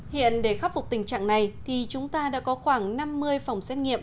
hiện để khắc phục tình trạng này thì chúng ta đã có khoảng năm mươi phòng xét nghiệm